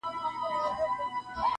• که په اوړي په سفر به څوک وتله -